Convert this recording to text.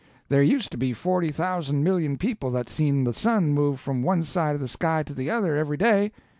There used to be forty thousand million people that seen the sun move from one side of the sky to the other every day.